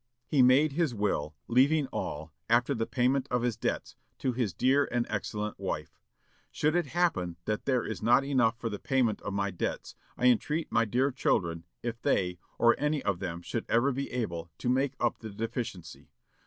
He made his will, leaving all, after the payment of his debts, to his "dear and excellent wife." "Should it happen that there is not enough for the payment of my debts, I entreat my dear children, if they, or any of them, should ever be able, to make up the deficiency.